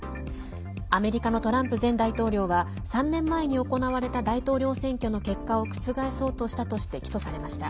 アメリカのトランプ前大統領は３年前に行われた大統領選挙の結果を覆そうとしたとして起訴されました。